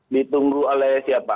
ditunggu oleh siapa